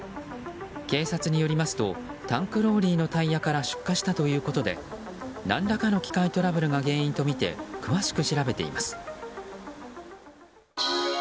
警察によりますとタンクローリーのタイヤから出火したということで何らかの機械トラブルが原因とみて詳しく調べています。